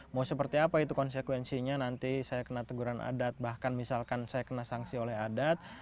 mau seperti apa itu konsekuensinya nanti saya kena teguran adat bahkan misalkan saya kena sanksi oleh adat